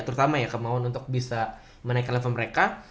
terutama ya kemauan untuk bisa menaikkan level mereka